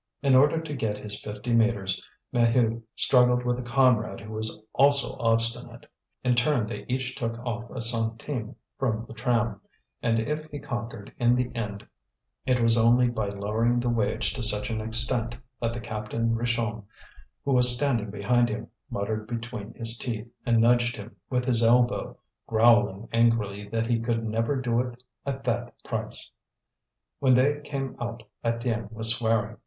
In order to get his fifty metres, Maheu struggled with a comrade who was also obstinate; in turn they each took off a centime from the tram; and if he conquered in the end it was only by lowering the wage to such an extent, that the captain Richomme, who was standing behind him, muttered between his teeth, and nudged him with his elbow, growling angrily that he could never do it at that price. When they came out Étienne was swearing.